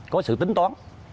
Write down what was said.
có sự tính toán